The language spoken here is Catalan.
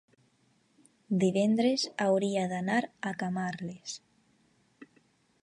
divendres hauria d'anar a Camarles.